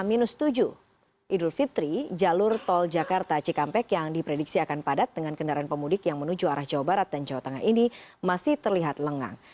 idul fitri jalur tol jakarta cikampek yang diprediksi akan padat dengan kendaraan pemudik yang menuju arah jawa barat dan jawa tengah ini masih terlihat lengang